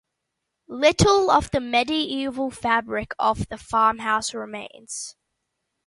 Little of the medieval fabric of the farmhouse remains.